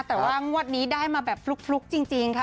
แต่ว่างวดนี้ได้มาแบบฟลุกจริงค่ะ